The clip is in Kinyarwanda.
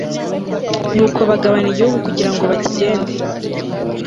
nuko bagabana igihugu kugira ngo bakigende